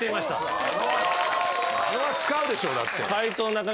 あのは使うでしょだって。